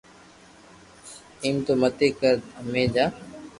ايم تو متي ڪر ھمجي جا